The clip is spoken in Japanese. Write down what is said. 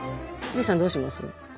ＹＯＵさんどうします？